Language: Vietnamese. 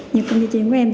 nhực cầm dây chuyển của em